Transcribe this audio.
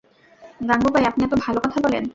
গাঙুবাই, আপনি এতো ভালো কথা বলেন।